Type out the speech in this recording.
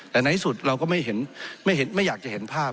แต่ในที่สุดเราก็ไม่อยากจะเห็นภาพ